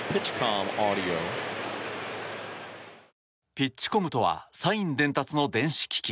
ピッチコムとはサイン伝達の電子機器。